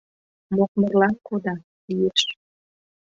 Мокмырлан кода, лиеш...